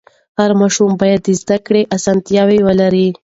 هر ماشوم باید د زده کړې اسانتیا ولري.